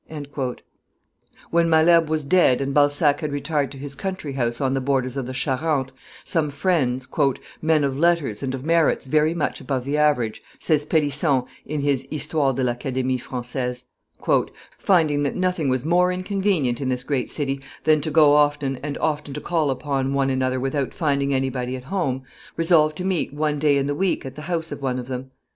When Malherbe was dead and Balzac had retired to his country house on the borders of the Charente, some friends, "men of letters and of merits very much above the average," says Pellisson in his Histoire de l'Academie Francaise, "finding that nothing was more inconvenient in this great city than to go often and often to call upon one another without finding anybody at home, resolved to meet one day in the week at the house of one of them.